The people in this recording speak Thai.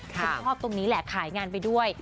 ผมชอบตรงนี้แหละขายงานไปด้วย